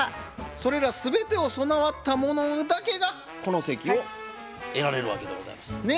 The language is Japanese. それら全てを備わった者だけがこの席を得られるわけでございますもんね？